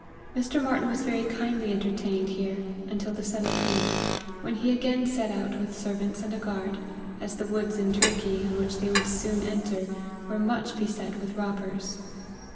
Mr. Martyn was very kindly entertained here, until the 17th, when he again set out with servants and a guard, as the woods in Tur key, on which they would soon enter, were much beset with robbers.